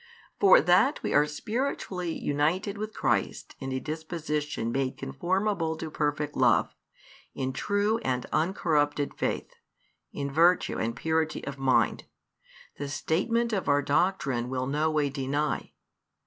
For that we are spiritually united with Christ in a disposition made conformable to perfect love, in true and uncorrupted faith, in virtue and purity of mind, the statement of our doctrine will no way deny.